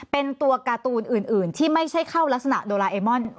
เป็นตัวการ์ตูนอื่นที่ไม่ใช่เข้ารักษณะโดราเอมอน